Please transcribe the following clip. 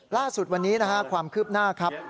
ล่าสุดวันนี้นะฮะความคืบหน้าครับ